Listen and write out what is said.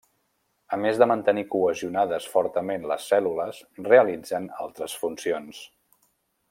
A més de mantenir cohesionades fortament les cèl·lules realitzen altres funcions.